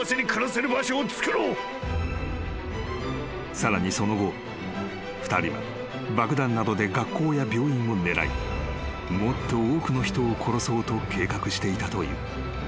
［さらにその後２人は爆弾などで学校や病院を狙いもっと多くの人を殺そうと計画していたという］